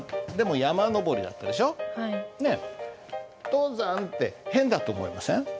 「登山」って変だと思いません？